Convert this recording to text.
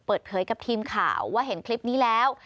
เปิดเผยกับทีมข่าวว่าเห็นคลิปนี้แล้ว